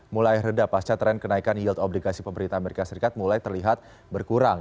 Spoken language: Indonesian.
mulai reda pasca tren kenaikan yield obligasi pemerintah amerika serikat mulai terlihat berkurang